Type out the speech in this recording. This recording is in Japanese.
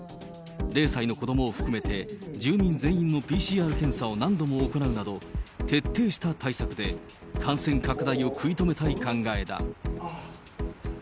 ０歳の子どもを含めて住民全員のＰＣＲ検査を何度も行うなど、徹底した対策で感染拡大を食い止めたい考えだ。